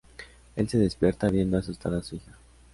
Él se despierta viendo asustada a su hija.